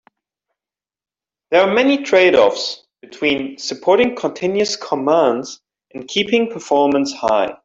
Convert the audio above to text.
There are many trade-offs between supporting continuous commands and keeping performance high.